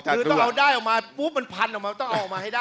คือต้องเอาได้ออกมาปุ๊บมันพันออกมาต้องเอาออกมาให้ได้